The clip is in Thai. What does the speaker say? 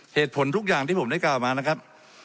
เหตุผลทุกอย่างที่ผมได้กล่าวมานะครับ